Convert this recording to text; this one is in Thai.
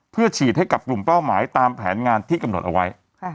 เพื่อฉีดให้กับกลุ่มเป้าหมายตามแผนงานที่กำหนดเอาไว้